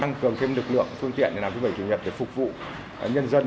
tăng cường thêm lực lượng phương tiện để làm thứ bảy chủ nhật để phục vụ nhân dân